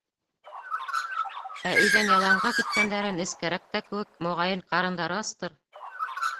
Ә өйҙән яланға киткәндәре нескәрәк тә кеүек, моғайын, ҡарындары астыр.